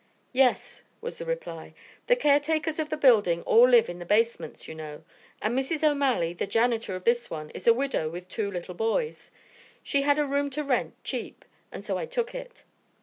"Yes," was the reply, "the caretakers of the buildings all live in the basements, you know, and Mrs. O'Malley, the janitor of this one, is a widow with two little boys. She had a room to rent cheap and so I took it."